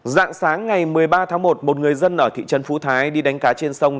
dạng sáng ngày một mươi ba tháng một một người dân ở thị trấn phú thái đi đánh cá trên sông